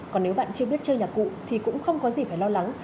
còn nếu bạn chưa biết chơi nhạc cụ thì cũng không có gì phải lo lắng